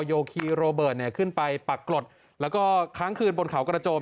โยคีโรเบิร์ตเนี่ยขึ้นไปปักกรดแล้วก็ค้างคืนบนเขากระโจม